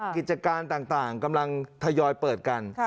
กิจการต่างกำลังทยอยเปิดกัน